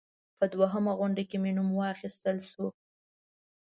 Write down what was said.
په دوهمه غونډه کې مې نوم واخیستل شو.